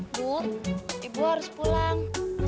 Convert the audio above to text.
bu ibu harus pulang